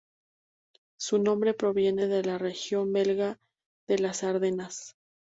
Su nombre proviene de la región belga de las Ardenas.